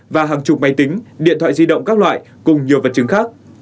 và hàng chục máy tính điện thoại di động các loại cùng nhiều vật chứng khác